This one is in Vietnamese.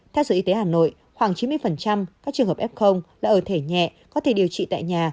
theo sở y tế hà nội khoảng chín mươi các trường hợp f là ở thể nhẹ có thể điều trị tại nhà